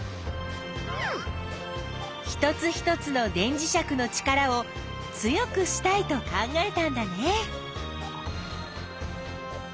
一つ一つの電磁石の力を強くしたいと考えたんだね。